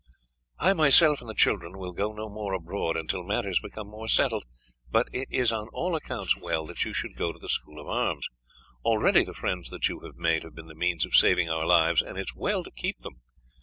"I myself and the children will go no more abroad until matters become more settled, but it is on all accounts well that you should go to the school of arms. Already the friends that you have made have been the means of saving our lives, and it is well to keep them.